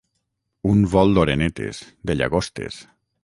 Un vol d'orenetes, de llagostes.